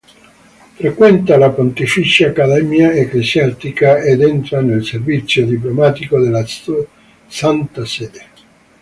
Frequenta la pontificia accademia ecclesiastica ed entra nel servizio diplomatico della Santa Sede.